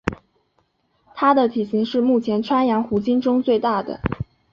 它的体型是目前圈养虎鲸中最大的。